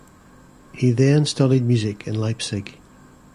He then studied music in Leipzig.